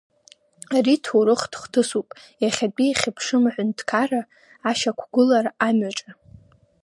Ари ҭоурыхтә хҭысуп иахьатәи ихьыԥшым аҳәныҭқарра ашьақәгәылара амҩаҿы.